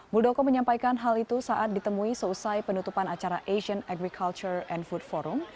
muldoko menyampaikan hal itu saat ditemui seusai penutupan acara asian agriculture and food forum